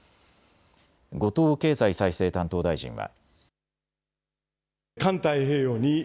後藤経済再生担当大臣は。